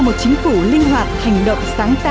một chính phủ linh hoạt hành động